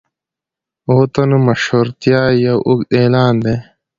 د اوو تنو مشهورتیا یو اوږده اعلان دی.